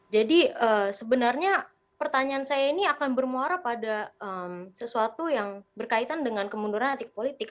jadi sebenarnya pertanyaan saya ini akan bermuara pada sesuatu yang berkaitan dengan kemunduran antik politik